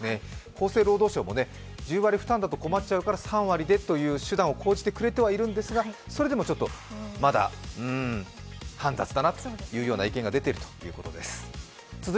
厚生労働省も１０割負担では困るから３割でという手段を講じているんですが、それでもちょっとまだうーん、煩雑だなという意見が出てるということです。